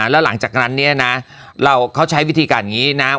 แล้วหลังจากนั้นเนี่ยนะเราเขาใช้วิธีการอย่างนี้นะ